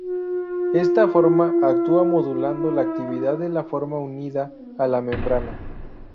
Esta forma actúa modulando la actividad de la forma unida a la membrana.